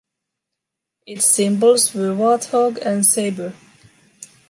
Its symbols were warthog and sabre.